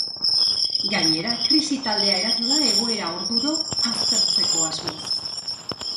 Gainera, krisi taldea eratu da, egoera orduro aztertzeko asmoz.